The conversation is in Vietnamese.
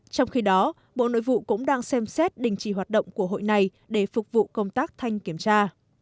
trong khi đó bộ nội vụ cũng đang xem xét đình chỉ hoạt động của hội này để phục vụ công tác thanh kiểm tra